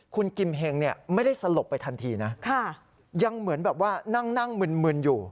คุณกิมเฮงเนี่ยไม่ได้สลบไปทันทีนะยังเหมือนแบบว่านั่งนั่งมึนอยู่